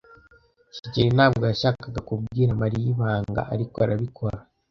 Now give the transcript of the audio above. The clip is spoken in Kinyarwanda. kigeli ntabwo yashakaga kubwira Mariya ibanga, ariko arabikora.